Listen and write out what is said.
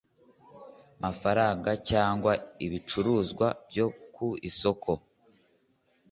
mafaranga cyangwa ibicuruzwa byo ku isoko